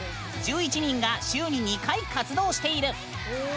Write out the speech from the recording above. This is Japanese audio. １１人が週に２回活動している。